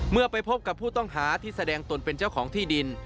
ไปพบกับผู้ต้องหาที่แสดงตนเป็นเจ้าของที่ดิน